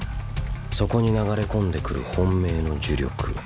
そこに流れ込んでくる本命の呪力。